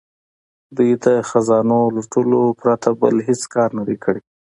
دوی د خزانو لوټلو پرته بل هیڅ کار نه دی کړی.